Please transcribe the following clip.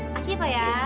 masih apa ya